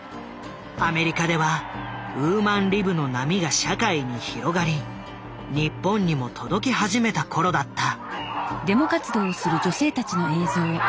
アメリカではウーマンリブの波が社会に広がり日本にも届き始めた頃だった。